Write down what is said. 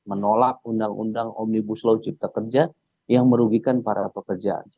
menolak undang undang omnibus logik pekerja yang merugikan para pekerja